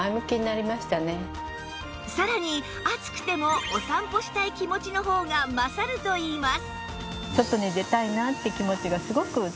さらに暑くてもお散歩したい気持ちの方が勝るといいます